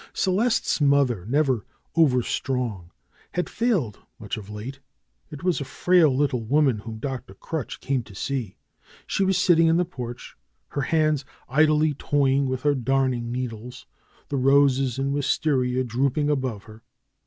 Celeste's mother, never overstrong, had failed much of late. It was a frail little woman whom Dr. Crutch came to see. She was sitting in the porch, her hands idly toying with her darning needles, the roses and wistaria drooping above her.